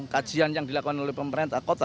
kajian yang dilakukan oleh pemerintah kota